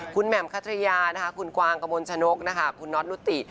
คุณแหม่มคัตเตรียคุณกวางกะมนต์ชะนกคุณน๊อตนุฏติ